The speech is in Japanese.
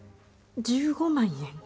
１５万円？